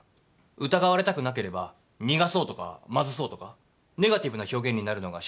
疑われたくなければ「苦そう」とか「まずそう」とかネガティブな表現になるのが自然じゃない？